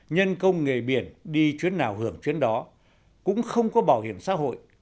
nhân công nghề biển đi chuyến nào hưởng chuyến đó cũng không có bảo hiểm xã hội